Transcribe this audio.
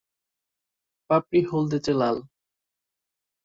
পাপড়ি হলদেটে লাল।